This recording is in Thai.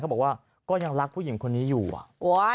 บอกว่าก็ยังรักผู้หญิงคนนี้อยู่อ่ะ